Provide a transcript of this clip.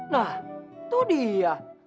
nah itu dia